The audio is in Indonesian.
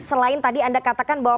selain tadi anda katakan bahwa